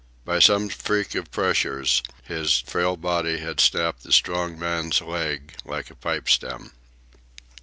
By some freak of pressures, his frail body had snapped the strong man's leg like a pipe stem.